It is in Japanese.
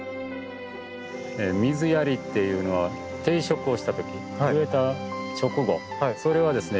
水やりっていうのは定植をしたとき植えた直後それはですね